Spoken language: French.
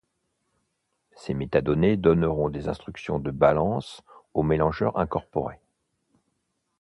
Ces métadonnées donneront des instructions de balance au mélangeur incorporé.